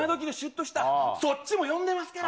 そっちも呼んでますから。